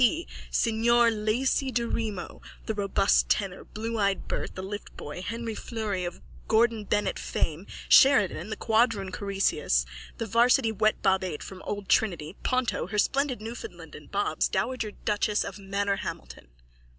P., signor Laci Daremo, the robust tenor, blueeyed Bert, the liftboy, Henri Fleury of Gordon Bennett fame, Sheridan, the quadroon Croesus, the varsity wetbob eight from old Trinity, Ponto, her splendid Newfoundland and Bobs, dowager duchess of Manorhamilton.